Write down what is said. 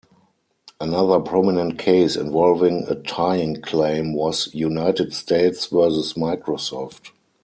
Another prominent case involving a tying claim was "United States versus Microsoft".